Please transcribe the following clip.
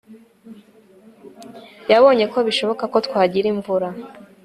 Yabonye ko bishoboka ko twagira imvura